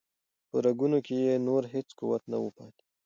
په رګونو کې یې نور هیڅ قوت نه و پاتې.